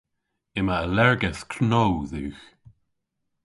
Yma allergedh know dhywgh.